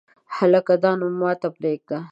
هلکه دا نو ماته پرېږده !